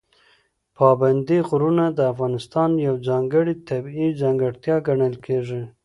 پابندي غرونه د افغانستان یوه ځانګړې طبیعي ځانګړتیا ګڼل کېږي.